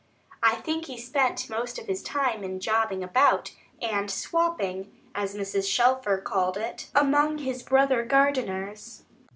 I think he spent most of his time in jobbing about, and "swopping" (as Mrs. Shelfer called it) among his brother gardeners.